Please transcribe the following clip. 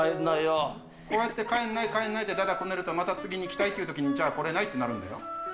こうやって帰んない、帰んないってだだこねると、また次に来たいってときに、じゃあ来れないってなるんだよ。